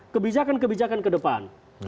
kebijakan kebijakan ke depan